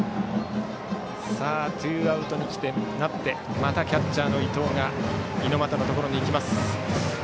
ツーアウトになってまたキャッチャーの伊藤が猪俣のところに行きます。